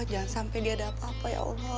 jangan sampai dia ada apa apa ya allah